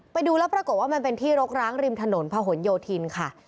ไปดูแล้วปรากฏว่ามันเป็นที่รกร้างริมถนนพะหนโยธินค่ะ